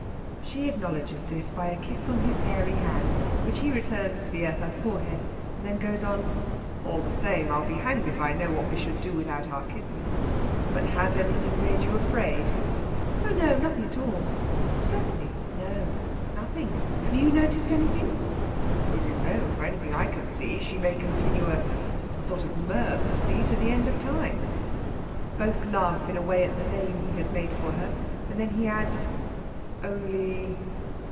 She acknowledges this by a kiss on his hairy hand, which he returns via her forehead; then goes on: "All the same, I'll be hanged if I know what we should do without our kitten. But has anything made you afraid?" "Oh no; nothing at all! Certainly; no, nothing. Have you noticed anything?" "Oh dear, no! For anything I can see, she may continue a a sort of mer pussy to the end of time." Both laugh in a way at the name he has made for her; then he adds: "Only...."